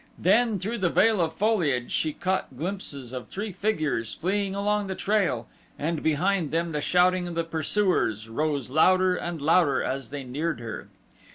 Then, through the veil of foliage she caught glimpses of three figures fleeing along the trail, and behind them the shouting of the pursuers rose louder and louder as they neared her.